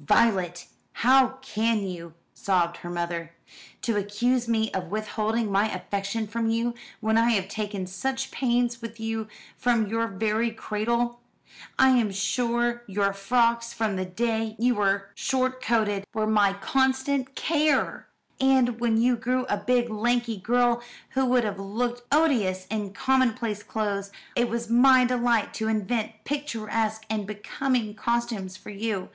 "Violet, how can you?" sobbed her mother. "To accuse me of withholding my affection from you, when I have taken such pains with you from your very cradle! I am sure your frocks, from the day you were short coated, were my constant care; and when you grew a big, lanky girl, who would have looked odious in commonplace clothes, it was my delight to invent picturesque and becoming costumes for you.